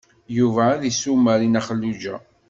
Yuba ad isumer i Nna Xelluǧa.